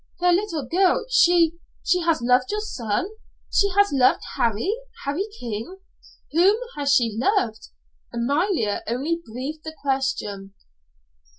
"The little girl she she has loved your son she has loved Harry Harry King? Whom has she loved?" Amalia only breathed the question.